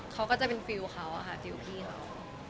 เขาก็จะเป็นฟิลเขาค่ะฟิลล์พี่เขา